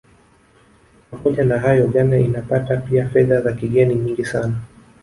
Pamoja na hayo Ghana inapata pia Fedha za kigeni nyingi sana